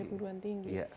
dari perguruan tinggi